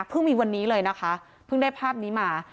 มีวันนี้เลยนะคะเพิ่งได้ภาพนี้มา